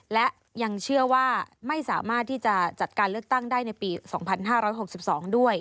และยังเชื่อว่าไม่สามารถที่จะจัดการเลือกตั้งได้ในปี๒๕๖๒ด้วย